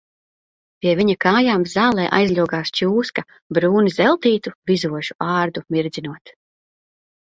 Pie viņa kājām zālē aizļogās čūska brūni zeltītu, vizošu ādu mirdzinot.